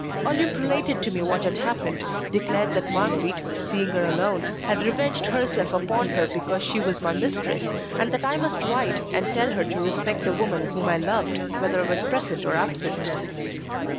Olympe related to me what had happened, declared that Marguerite, seeing her alone, had revenged herself upon her because she was my mistress, and that I must write and tell her to respect the woman whom I loved, whether I was present or absent.